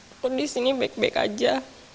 aku disini baik baik saja